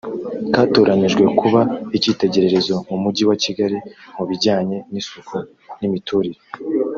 katoranyijwe ku ba ikitegererezo mu mujyi wa Kigali mu bijyanye n’isuku n’imiturire